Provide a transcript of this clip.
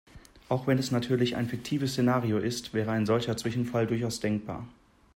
Auch wenn es natürlich ein fiktives Szenario ist, wäre ein solcher Zwischenfall durchaus denkbar.